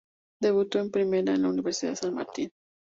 Debutó en Primera en la Universidad San Martín.